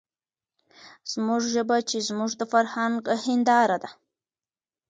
زموږ ژبه چې زموږ د فرهنګ هېنداره ده،